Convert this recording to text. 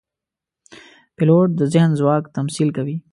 پیلوټ د ذهن ځواک تمثیل کوي.